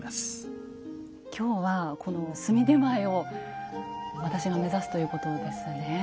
今日はこの炭点前を私が目指すということですね。